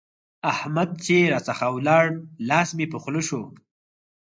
احمد چې راڅخه ولاړ؛ لاس مې په خوله شو.